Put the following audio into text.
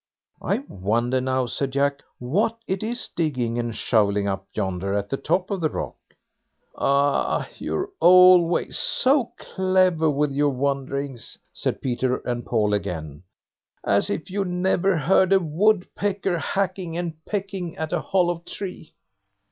"I wonder now," said Jack, "what it is digging and shovelling up yonder at the top of the rock." "Ah, you're always so clever with your wonderings", said Peter and Paul again, "as if you'd never heard a woodpecker hacking and pecking at a hollow tree."